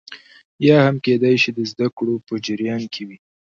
یا هم کېدای شي د زده کړو په جریان کې وي